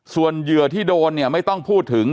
ส่วนเหยื่อที่โดนเนี่ยไม่ต้องพูดถึง